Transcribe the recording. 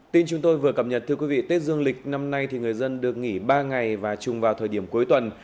tin chúng tôi vừa cập nhật thưa quý vị tết dương lịch năm nay thì người dân được nghỉ ba ngày và chung vào thời điểm cuối tuần